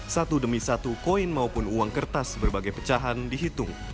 satu demi satu koin maupun uang kertas berbagai pecahan dihitung